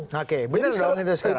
oke benar calon itu sekarang